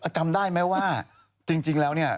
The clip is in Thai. จำได้ไหมว่าจริงแล้วเนี่ย